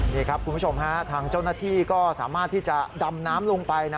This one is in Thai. นี่ครับคุณผู้ชมฮะทางเจ้าหน้าที่ก็สามารถที่จะดำน้ำลงไปนะ